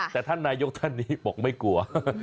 ส่าห์ท่านนายยกท่านนี้บอกมาอย่ากลัว